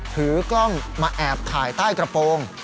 ถือกล้องมาแอบถ่ายใต้กระโปรง